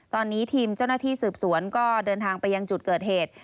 ตอนนี้ทีมเจ้าหน้าที่สืบสวนก็เดินทางไปยังจุดเกิดเหตุ